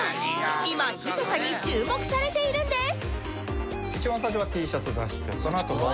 今ひそかに注目されているんです